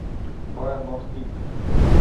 Тоа е нов трик.